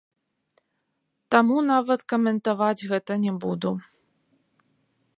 Таму нават каментаваць гэта не буду.